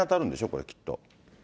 これ、きっと。